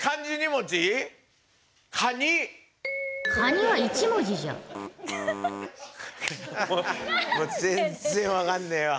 もう全然分かんねえわ。